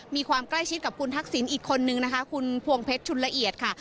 มีความใกล้ชิดกับคุณทักษิณอีกคนนึงนะคะคุณพวงเพชรชุนละเอียดค่ะ